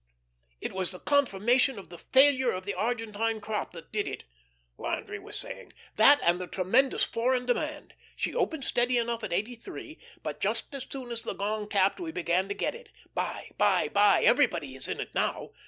"It was the confirmation of the failure of the Argentine crop that did it," Landry was saying; "that and the tremendous foreign demand. She opened steady enough at eighty three, but just as soon as the gong tapped we began to get it. Buy, buy, buy. Everybody is in it now.